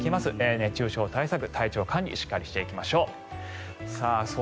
熱中症対策、体調管理しっかりしていきましょう。